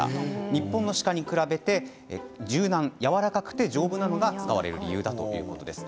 日本の鹿に比べて柔軟やわらかくて丈夫なのが使われる理由だということです。